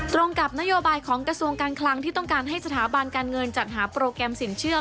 ตรงกับนโยบายของกระทรวงการคลังที่ต้องการให้สถาบันการเงินจัดหาโปรแกรมสินเชื่อ